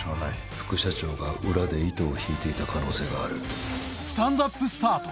副社長が裏で糸を引いていた可能性がある。